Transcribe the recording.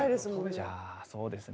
じゃあそうですね